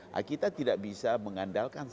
nah kita tidak bisa mengandalkan